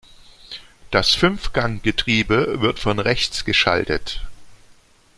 Das Fünfganggetriebe wird von rechts geschaltet.